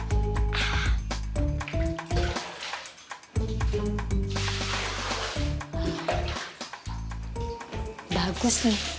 sayang kayaknya dia lebihusz